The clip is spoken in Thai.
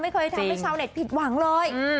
ไม่เคยทำให้ชาวเน็ตผิดหวังเลย